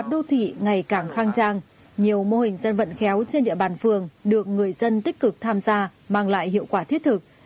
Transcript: đô thị ngày càng khang trang nhiều mô hình dân vận khéo trên địa bàn phường được người dân tích cực tham gia mang lại hiệu quả thiết thực